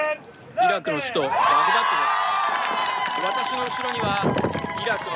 イラクの首都バグダッドです。